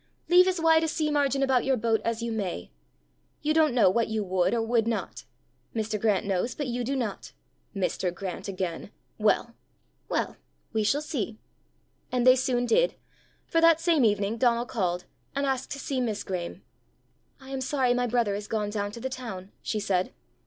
"Leave as wide a sea margin about your boat as you may. You don't know what you would or would not. Mr. Grant knows, but you do not." "Mr. Grant again! Well!" "Well! we shall see!" And they soon did. For that same evening Donal called, and asked to see Miss Graeme. "I am sorry my brother is gone down to the town," she said.